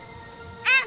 うん！